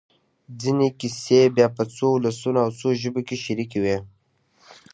ځينې کیسې بیا په څو ولسونو او څو ژبو کې شریکې وي.